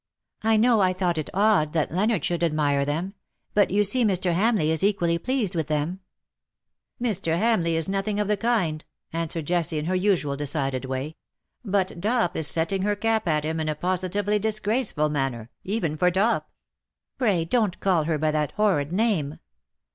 " I know I tliouglit it odd that Leonard should admire them; but you see Mr. Hamleigh is equally pleased with them.^^ '' Mr. Hamleigh is nothing of the kind/' answered Jessie in her usual decided way. ^^ But Dop is setting her cap at him in a positively dis graceful manner ^even for Dop.^' '^ Pray don^t call her by that horrid name.'''